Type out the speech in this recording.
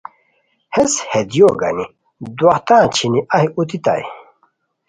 ہیس ہے دیوؤ گانی دواہتان چھینی اہی اوتیتائے